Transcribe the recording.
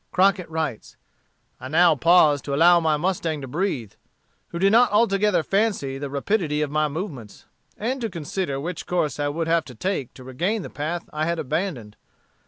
Crockett writes: "I now paused to allow my mustang to breathe, who did not altogether fancy the rapidity of my movements; and to consider which course I would have to take to regain the path I had abandoned.